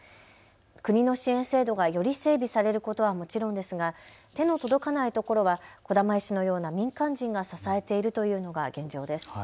国の支援制度がより整備されることはもちろんですが手の届かないところは児玉医師のような民間人が支えているというのが現状です。